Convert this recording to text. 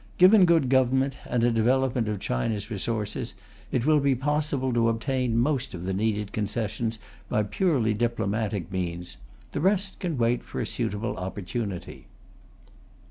Given good government and a development of China's resources, it will be possible to obtain most of the needed concessions by purely diplomatic means; the rest can wait for a suitable opportunity.